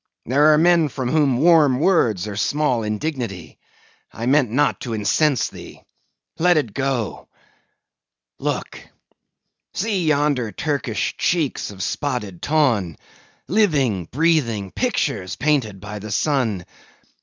There are men from whom warm words are small indignity. I meant not to incense thee. Let it go. Look! see yonder Turkish cheeks of spotted tawn—living, breathing pictures painted by the sun.